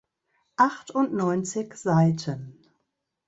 Achtundneunzig Seiten.